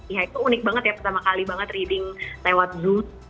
ya itu unik banget ya pertama kali banget reading lewat zoom